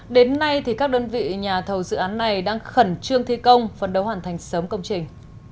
đến nay các đơn vị nhà thầu dự án này đang khẩn trương thi công phấn đấu hoàn thành sớm công trình